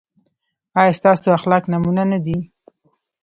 ایا ستاسو اخلاق نمونه نه دي؟